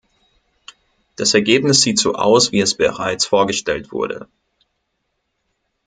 Das Ergebnis sieht so aus, wie es bereits vorgestellt wurde.